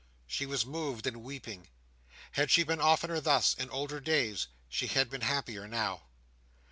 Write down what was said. She was moved and weeping. Had she been oftener thus in older days, she had been happier now.